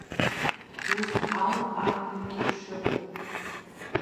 Ус ауп ажәларгьы шыҟоу.